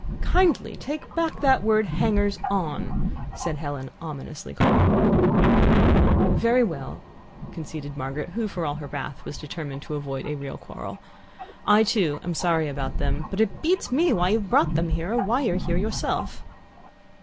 '" "Kindly take back that word 'hangers on,'" said Helen, ominously calm. "Very well," conceded Margaret, who for all her wrath was determined to avoid a real quarrel. "I, too, am sorry about them, but it beats me why you've brought them here, or why you're here yourself.